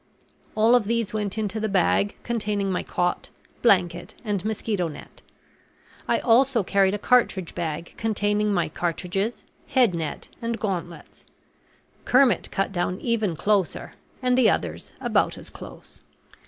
All of these went into the bag containing my cot, blanket, and mosquito net. I also carried a cartridge bag containing my cartridges, head net, and gauntlets. Kermit cut down even closer; and the others about as close.